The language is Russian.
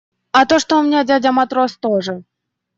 А то, что у меня дядя матрос тоже.